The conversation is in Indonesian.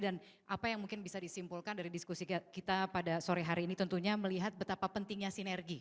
dan apa yang mungkin bisa disimpulkan dari diskusi kita pada sore hari ini tentunya melihat betapa pentingnya sinergi